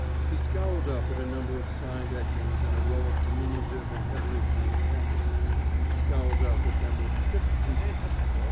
He scowled up at a number of signed etchings and a row of diminutive and heavily framed canvases, scowled up at them with quick contempt.